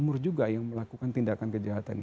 umur juga yang melakukan tindakan kejahatan